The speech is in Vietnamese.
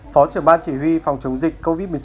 phó trưởng ban chỉ huy phòng chống dịch covid một mươi chín